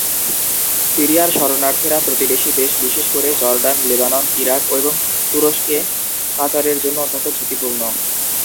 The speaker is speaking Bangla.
সিরিয়ার শরণার্থীরা প্রতিবেশী দেশ বিশেষ করে জর্ডান, লেবানন, ইরাক এবং তুরস্কে পাচারের জন্য অত্যন্ত ঝুঁকিপূর্ণ।